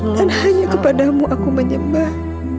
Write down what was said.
dan hanya kepadamu aku menyembah